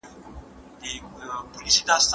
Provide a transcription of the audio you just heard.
د ناروغانو ارام ته پام وکړئ.